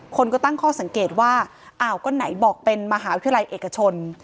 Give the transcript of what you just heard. คนก็ตั้งข้อสังเกตว่าอ้าวก็ไหนบอกเป็นมหาวิทยาลัยเอกชน